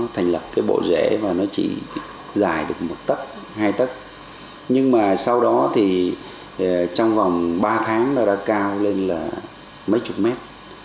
ba tháng đã cao lên mấy chục mét